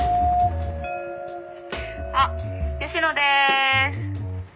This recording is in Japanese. あっ吉野です。